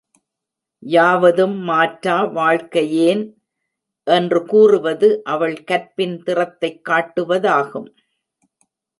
யாவதும் மாற்றா வாழ்க்கையேன் என்று கூறுவது அவள் கற்பின் திறத்தைக் காட்டுவதாகும்.